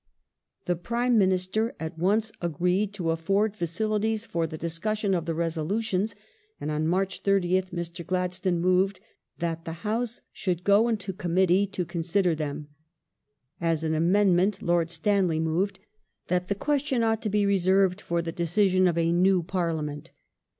The Prime Minister at once agreed to afford facilities for the discussion of the resolutions, and on March 30th Mr. Gladstone moved that the House should go into Committee to consider them. As an amendment Lord Stanley moved that the question ought to be reserved for the decision of a new Parliament.